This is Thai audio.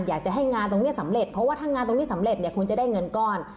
อยากจะให้งานตรงนี้สำเร็จเพราะว่าถ้างานตรงนี้สำเร็จเนี่ยคุณจะได้เงินก้อน